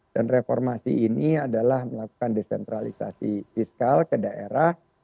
dan reformasi ini adalah melakukan desentralisasi fiskal ke daerah